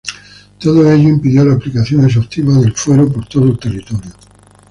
Todo ello impidió la aplicación exhaustiva del fuero por todo el territorio.